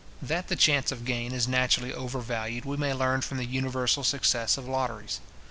That the chance of gain is naturally overvalued, we may learn from the universal success of lotteries.